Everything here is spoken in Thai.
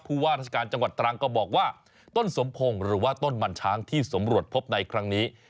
ว่าราชการจังหวัดตรังก็บอกว่าต้นสมพงศ์หรือว่าต้นมันช้างที่สำรวจพบในครั้งนี้